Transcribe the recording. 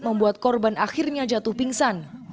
membuat korban akhirnya jatuh pingsan